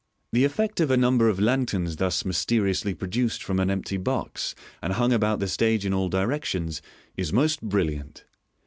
The effect of a number of lanterns thus mysteriously produced from an empty box, and hung about the stage in all directions, is most bril liant.